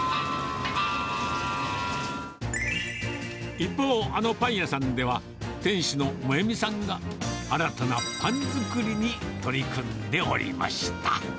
一方、あのパン屋さんでは、店主の萌実さんが新たなパン作りに取り組んでおりました。